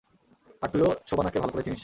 আর তুইও শোবানাকে ভালো করে চিনিস।